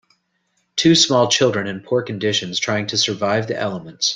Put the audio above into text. Two small children in poor conditions trying to survive the elements.